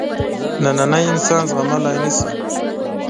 نننی انسان زغملای نه شي.